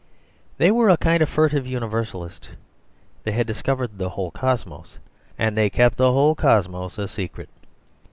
They were a kind of furtive universalist; they had discovered the whole cosmos, and they kept the whole cosmos a secret.